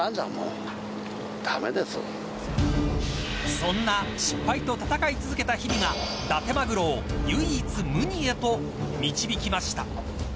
そんな失敗と戦い続けた日々がだてまぐろを唯一無二へと導きました。